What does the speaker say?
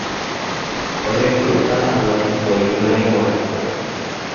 orecluta hag̃ua hikuái ñorãirõrã